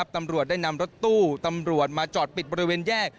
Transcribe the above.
ตำรวจได้นำรถตู้ตำรวจมาจอดปิดบริเวณแยก